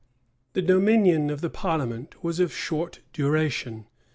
} The dominion of the parliament was of short duration.